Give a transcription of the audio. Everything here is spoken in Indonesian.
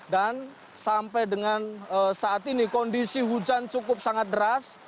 sampai dengan saat ini kondisi hujan cukup sangat deras